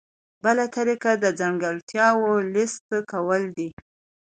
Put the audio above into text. بله طریقه د ځانګړتیاوو لیست کول دي.